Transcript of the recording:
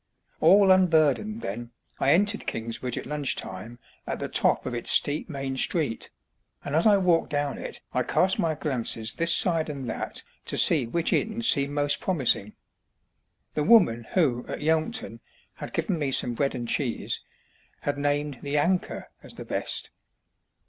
All unburdened, then, I entered Kingsbridge at lunch time at the top of its steep main street, and as I walked down it I cast my glances this side and that to see which inn seemed most promising. The woman who, at Yealmpton, had given me some bread and cheese, had named the "Anchor" as the best.